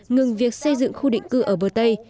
ngừng việc xây dựng khu định cư ở bờ tây